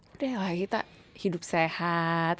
udah kita hidup sehat